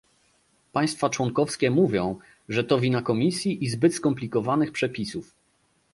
Państwa członkowskie mówią, że to wina Komisji i zbyt skomplikowanych przepisów